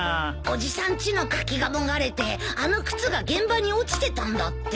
おじさんちの柿がもがれてあの靴が現場に落ちてたんだって。